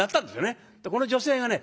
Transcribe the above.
この女性がね